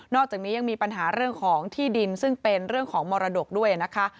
อกจากนี้ยังมีปัญหาเรื่องของที่ดินซึ่งเป็นเรื่องของมรดกด้วยนะคะ